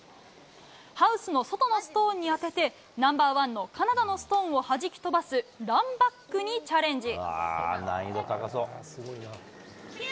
ハウスの外のストーンに当てて、ナンバーワンのカナダのストーンをはじき飛ばすランバックにチャレンジ。